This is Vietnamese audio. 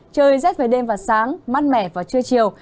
trời rét về đêm và sáng mát mẻ vào trưa chiều